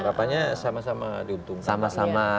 harapannya sama sama diuntungkan